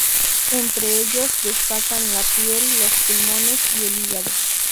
Entre ellos destacan la piel, los pulmones y el hígado.